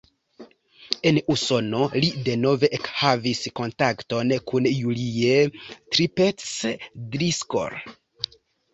En Usono li denove ekhavis kontakton kun Julie Tippetts-Driscoll.